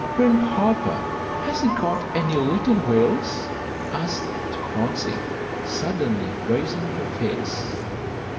"Grandpapa, has he got any little whales?" asked Phronsie, suddenly raising her face.